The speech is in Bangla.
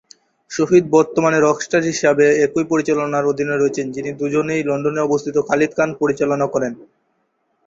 শহীদ বর্তমানে রকস্টার হিসাবে একই পরিচালনার অধীনে রয়েছেন যিনি দু'জনেই লন্ডনে অবস্থিত খালিদ খান পরিচালনা করেন।